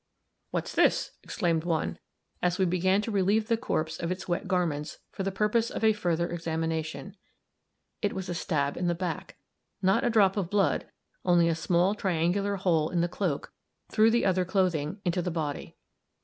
"What's this?" exclaimed one, as we began to relieve the corpse of its wet garments, for the purpose of a further examination. It was a stab in the back. Not a drop of blood only a small triangular hole in the cloak, through the other clothing, into the body.